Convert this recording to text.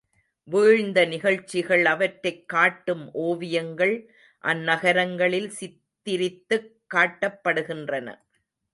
வீழ்ந்த நிகழ்ச்சிகள், அவற்றைக் காட்டும் ஓவியங்கள் அந்நகரங்களில் சித்திரித்துக் காட்டப்படுகின்றன.